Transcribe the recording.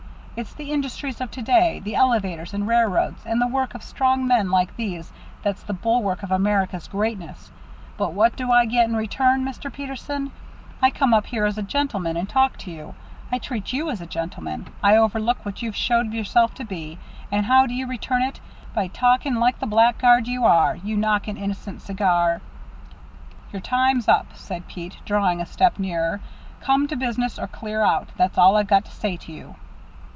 It's the industries of to day, the elevators and railroads, and the work of strong men like these that's the bulwark of America's greatness. But what do I get in return, Mister Peterson? I come up here as a gentleman and talk to you. I treat you as a gentleman. I overlook what you've showed yourself to be. And how do you return it? By talking like the blackguard you are you knock an innocent cigar " "Your time's up!" said Pete, drawing a step nearer. "Come to business, or clear out. That's all I've got to say to you."